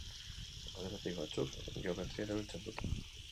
Horietatik batzuk geometria erabiltzen dute.